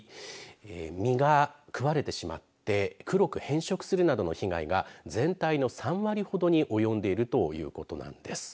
実が食われてしまって黒く変色するなどの被害が全体の３割ほどに及んでいるということなんです。